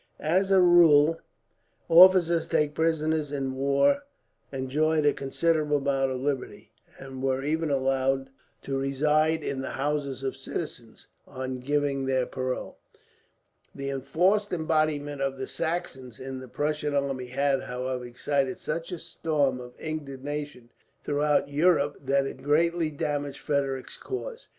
As a rule, officers taken prisoners in war enjoyed a considerable amount of liberty; and were even allowed to reside in the houses of citizens, on giving their parole. The enforced embodiment of the Saxons in the Prussian army had, however, excited such a storm of indignation throughout Europe that it greatly damaged Frederick's cause.